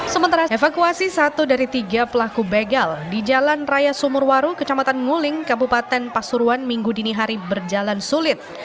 sementara evakuasi satu dari tiga pelaku begal di jalan raya sumurwaru kecamatan nguling kabupaten pasuruan minggu dini hari berjalan sulit